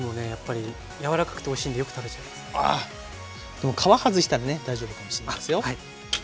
でも皮外したらね大丈夫かもしんないですよ。